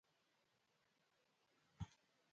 غرمه د روحي پاکوالي فرصت دی